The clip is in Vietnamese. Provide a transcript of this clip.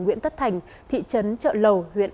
nguyễn tất thành thị trấn trợ lầu huyện